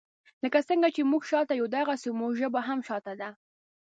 لکه څنګه چې موږ شاته یو داغسي مو ژبه هم شاته ده.